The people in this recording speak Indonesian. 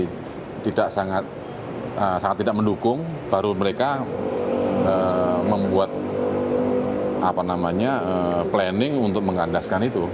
kalau cuaca yang sangat tidak mendukung baru mereka membuat apa namanya planning untuk mengandaskan itu